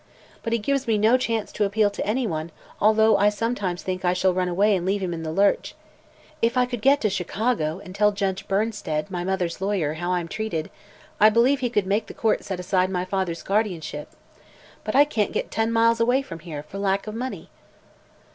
But he gives me no chance to appeal to anyone, although I sometimes think I shall run away and leave him in the lurch. If I could get to Chicago and tell Judge Bernsted, my mother's lawyer, how I am treated, I believe he could make the court set aside my father's guardianship. But I can't get ten miles away from here, for lack of money."